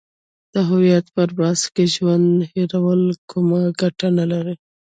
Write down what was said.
د هویت پر بحث کې ژوند هیرول کومه ګټه نه لري.